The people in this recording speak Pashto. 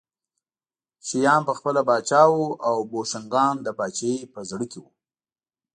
شیام پخپله پاچا و او بوشنګان د پاچاهۍ په زړه کې وو